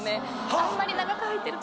あんまり長く入ってると。